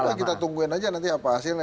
besok ya kita tungguin aja nanti apa hasilnya